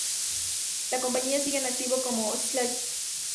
La compañía sigue en activo como "Staatliche Porzellan-Manufaktur Meissen GmbH".